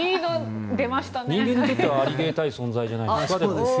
人間にとってはアリゲータい存在じゃないですか。